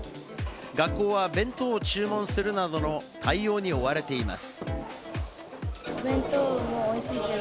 学校は弁当を注文するなどの対応に追われています。